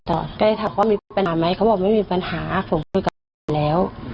ได้ถามว่ามีปัญหาไหมเขาบอกไม่มีปัญหาผมคุยกับตำรวจแล้ว